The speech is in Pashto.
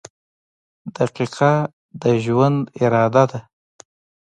• دقیقه د ژوند اراده ده.